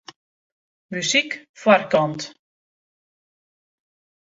Muzyk foarkant.